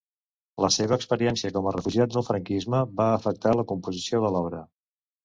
La seva experiència com a refugiat del franquisme va afectar la composició de l'obra.